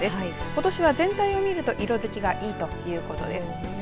ことしは全体を見ると色づきがいいということです。